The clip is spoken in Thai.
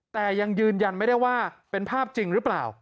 แต่ยังยืนยันไม่ได้ว่าเป็นภาพจริงหรือเปล่า